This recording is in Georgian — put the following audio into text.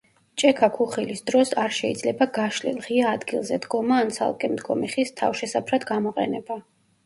ჭექა-ქუხილის დროს არ შეიძლება გაშლილ, ღია ადგილზე დგომა ან ცალკე მდგომი ხის თავშესაფრად გამოყენება.